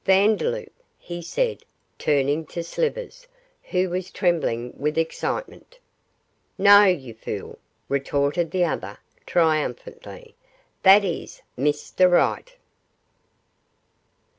'Vandeloup,' he said, turning to Slivers, who was trembling with excitement. 'No, you fool,' retorted the other, triumphantly. That is "Mr Right".